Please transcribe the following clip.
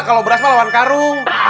kalau beras mah lawan karung